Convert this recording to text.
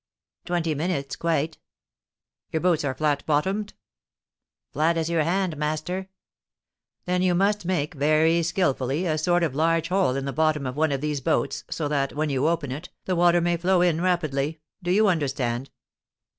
'Twenty minutes, quite.' 'Your boats are flat bottomed?' 'Flat as your hand, master.' 'Then you must make, very skilfully, a sort of large hole in the bottom of one of these boats, so that, when you open it, the water may flow in rapidly. Do you understand?'